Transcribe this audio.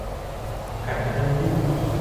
海安路